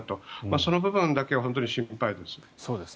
その部分だけが本当に心配です。